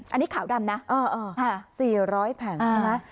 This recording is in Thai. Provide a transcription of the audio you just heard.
อันนี้ขาวดำนะเออเออฮะสี่ร้อยแผ่นใช่ไหม